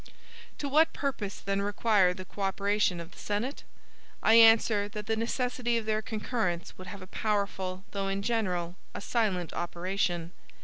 To what purpose then require the co operation of the Senate? I answer, that the necessity of their concurrence would have a powerful, though, in general, a silent operation.